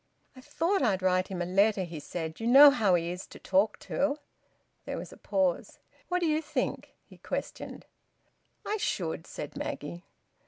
"I thought I'd write him a letter," he said. "You know how he is to talk to." There was a pause. "What d'ye think?" he questioned. "I should," said Maggie.